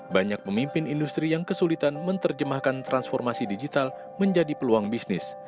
banyak pemimpin industri yang kesulitan menerjemahkan transformasi digital menjadi peluang bisnis